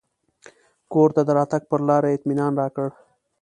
کور ته د راتګ پر لار یې اطمنان راکړ.